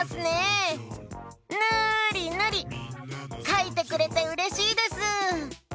かいてくれてうれしいです！